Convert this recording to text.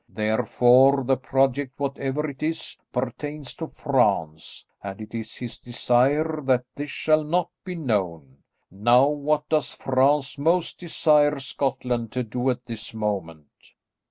Therefore, the project, whatever it is, pertains to France, and it is his desire that this shall not be known. Now what does France most desire Scotland to do at this moment?"